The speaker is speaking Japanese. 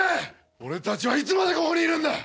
俺たちはいつまでここにいるんだ